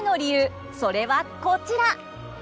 それはこちら！